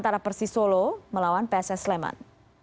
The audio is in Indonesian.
antara persis solo melawan pss sleman